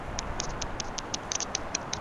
亚利桑那州采用两轮选举制。